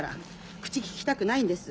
口ききたくないんです。